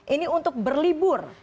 ini untuk berlibur